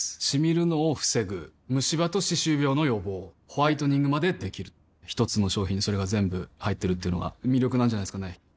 シミるのを防ぐムシ歯と歯周病の予防ホワイトニングまで出来る一つの商品にそれが全部入ってるっていうのが魅力なんじゃないですかね